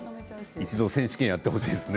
一度、選手権やってほしいですね